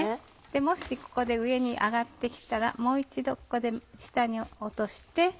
もしここで上に上がって来たらもう一度ここで下に落として。